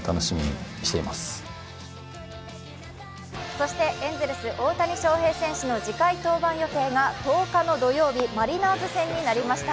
そしてエンゼルス・大谷翔平選手の次回登板予定が１０日の土曜日、マリナーズ戦になりました。